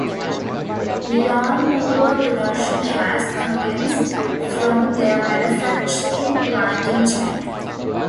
Lawnmower production has commenced from their manufacturing plant in China.